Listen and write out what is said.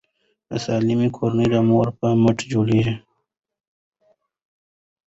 د سالمې کورنۍ د مور په مټه جوړیږي.